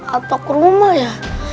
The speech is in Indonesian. atau ke rumah ya